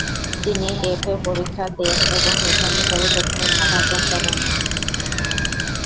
তিনি F. A পরীক্ষা দেন এবং মেধানুসারে প্রথম স্থান অর্জন করেন।